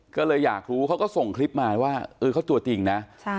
ก็เลยอยากรู้เขาก็ส่งคลิปมาว่าเออเขาตัวจริงนะ